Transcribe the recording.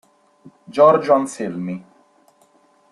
Giorgio Anselmi